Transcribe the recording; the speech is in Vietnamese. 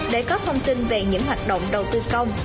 để có thông tin về những hoạt động đầu tư công